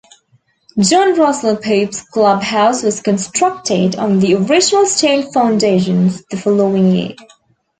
John Russell Pope's clubhouse was constructed on the original stone foundations the following year.